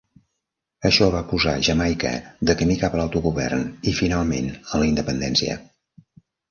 Això va posar Jamaica de camí cap a l'autogovern i, finalment, a la independència.